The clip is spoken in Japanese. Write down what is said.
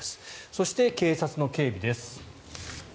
そして、警察の警備です。